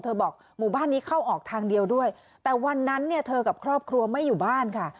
บอกหมู่บ้านนี้เข้าออกทางเดียวด้วยแต่วันนั้นเนี่ยเธอกับครอบครัวไม่อยู่บ้านค่ะ